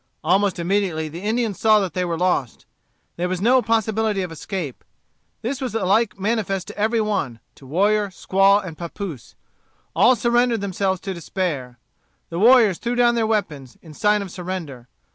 Almost immediately the Indians saw that they were lost. There was no possibility of escape. This was alike manifest to every one, to warrior, squaw, and pappoose. All surrendered themselves to despair. The warriors threw down their weapons, in sign of surrender.